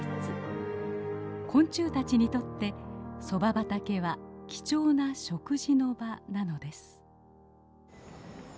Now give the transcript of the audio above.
昆虫たちにとってソバ畑は貴重な食事の場なのです。